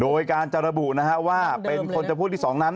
โดยการจะระบุว่าเป็นคนจะพูดที่๒นั้น